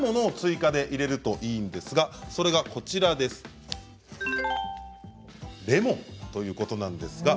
あるものを追加で入れるといいんですが、それがレモンということなんです。